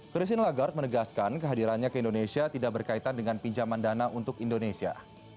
christine lagarde menegaskan kehadirannya ke indonesia tidak berkaitan dengan pinjaman dana untuk indonesia